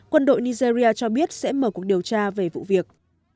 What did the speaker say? quân đội nigeria cho biết sẽ mở cuộc điều tra về vụ việc